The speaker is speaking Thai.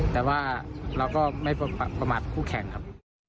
แต่ว่าเราก็ไม่ประมาทคู่แข่งครับ